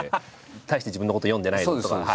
大して自分のことを読んでない人とか。